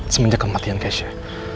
semenjak kematian keisha